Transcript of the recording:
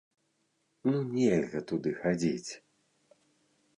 Ну нельга туды хадзіць!